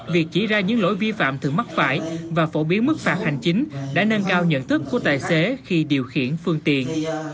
việc chỉ ra những lỗi vi phạm thường mắc phải và phổ biến mức phạt hành chính đã nâng cao nhận thức của tài xế khi điều khiển phương tiện